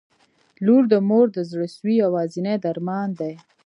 • لور د مور د زړسوي یوازینی درمان دی.